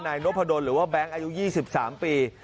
นายนพดลหรือว่าแบงค์อายุ๒๓ปี